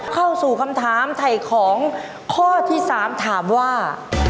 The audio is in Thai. เข้าสู่คำถามถ่ายของข้อที่๓ถามว่า